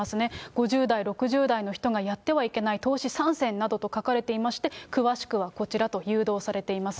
５０代、６０代の人がやってはいけない投資３選などと書かれていまして、詳しくはこちら！と誘導されています。